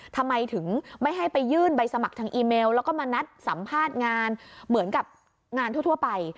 ทำไมถึงไม่ให้ไปยื่นใบสมัครทางอีเมลแล้วก็มานัดสัมภาษณ์งานเหมือนกับงานทั่วไป